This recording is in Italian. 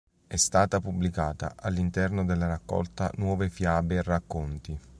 È stata pubblicata all'interno della raccolta "Nuove fiabe e racconti.